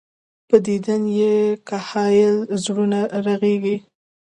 پۀ ديدن به ئې ګهائل زړونه رغيږي